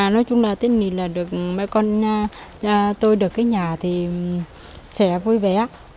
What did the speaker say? nói chung là tên này là được mẹ con tôi được cái nhà thì sẽ vui vẻ